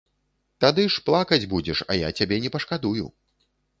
Тады ж плакаць будзеш, а я цябе не пашкадую.